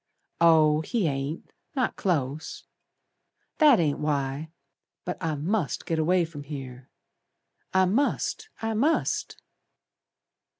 "Oh, he ain't. Not close. That ain't why. But I must git away from here. I must! I must!"